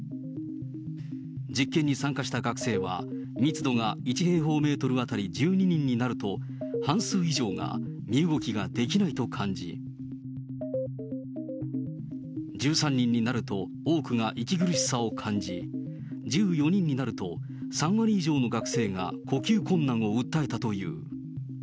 実験に参加した学生は、密度が１平方メートル当たり１２人になると、半数以上が身動きができないと感じ、１３人になると、多くが息苦しさを感じ、１４人になると３割以上の学生が呼吸困難を訴えたという。